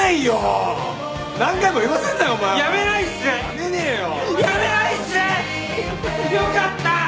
よかった！